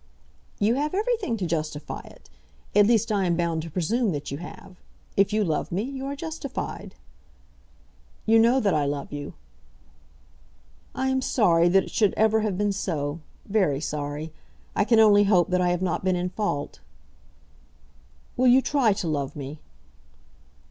"You have everything to justify it; at least I am bound to presume that you have. If you love me, you are justified." "You know that I love you." "I am sorry that it should ever have been so, very sorry. I can only hope that I have not been in fault." "Will you try to love me?"